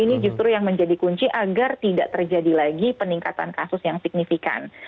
ini justru yang menjadi kunci agar tidak terjadi lagi peningkatan kasus yang signifikan